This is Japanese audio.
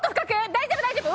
大丈夫大丈夫。